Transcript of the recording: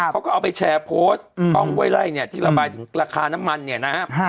เขาก็เอาไปแชร์โพสต์กล้องห้วยไล่เนี่ยที่ระบายถึงราคาน้ำมันเนี่ยนะครับ